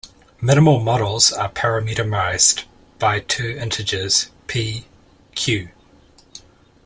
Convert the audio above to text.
Minimal models are parameterized by two integers "p, q".